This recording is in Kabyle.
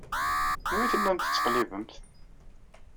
Anwa i tellamt tettqellibemt?